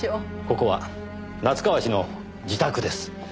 ここは夏河氏の自宅です。